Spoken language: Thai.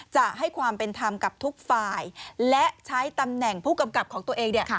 จะให้ความเป็นธรรมกับทุกฝ่ายและใช้ตำแหน่งผู้กำกับของตัวเองเนี่ย